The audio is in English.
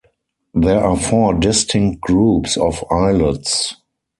There are four distinct groups of islets.